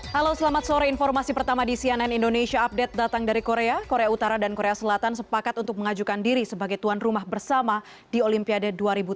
halo selamat sore informasi pertama di cnn indonesia update datang dari korea korea utara dan korea selatan sepakat untuk mengajukan diri sebagai tuan rumah bersama di olimpiade dua ribu tujuh belas